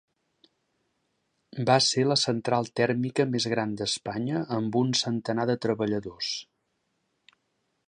Va ser la central tèrmica més gran d'Espanya amb un centenar de treballadors.